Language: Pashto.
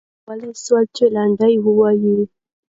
هغې کولای سوای چې لنډۍ ووایي.